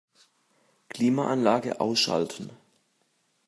Klimaanlage ausschalten.